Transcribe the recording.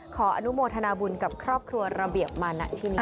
ขออนุโมทนาบุญกับครอบครัวระเบียบมานะที่นี่